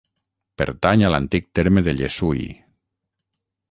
Pertany a l'antic terme de Llessui.